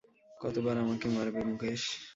কতবার আমাকে মারবে মুকেশ?